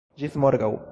Ĝis morgaŭ!